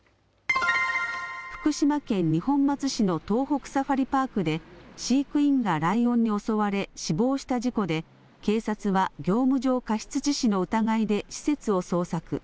福島県二本松市の東北サファリパークで飼育員がライオンに襲われ死亡した事故で警察は業務上過失致死の疑いで施設を捜索。